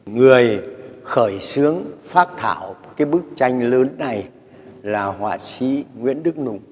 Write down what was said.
người khởi xướng phát thảo cái bức tranh lớn này là họa sĩ nguyễn đức nung